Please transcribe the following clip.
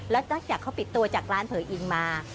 แล้วจากเขาปิดตัวจากร้านเผยอิงมา